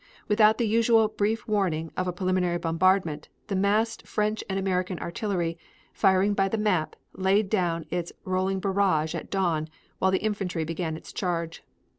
Without the usual brief warning of a preliminary bombardment, the massed French and American artillery, firing by the map, laid down its rolling barrage at dawn while the infantry began its charge.